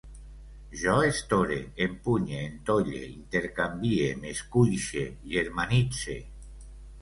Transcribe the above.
Jo estore, empunye, entolle, intercanvie, m'escuixe, germanitze